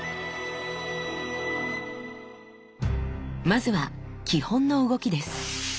まずは基本の動きです。